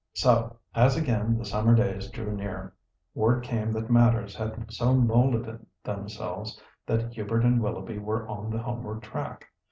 So, as again the summer days drew near, word came that matters had so moulded themselves that Hubert and Willoughby were on the homeward track.